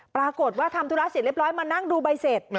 ปรากฏว่าทำธุระเสร็จเรียบร้อยมานั่งดูใบเสร็จ